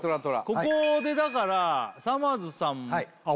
ここでだからさまぁずさんあっ